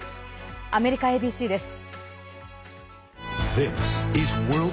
アメリカＡＢＣです。